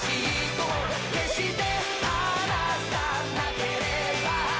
「決して離さなければ」